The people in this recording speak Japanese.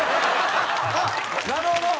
あっなるほど！